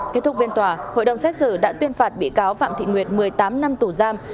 kết thúc viên tòa hội đồng xét xử đã tuyên phạt bị cáo phạm thị nguyệt một mươi tám năm tù giam